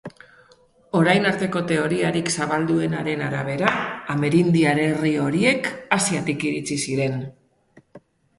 Orain arteko teoriarik zabalduenaren arabera, amerindiar herri horiek Asiatik iritsi ziren.